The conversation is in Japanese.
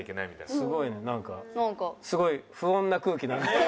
すごいねなんかすごい不穏な空気。